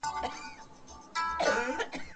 ټایپنګ د کمپیوټر یو ډېر مهم مهارت دی.